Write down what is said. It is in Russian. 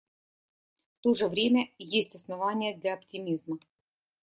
В то же время есть основания для оптимизма.